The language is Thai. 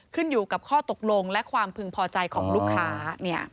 ขึ้นอยู่กับข้อตกลงและความพึงพอใจของลูกค้า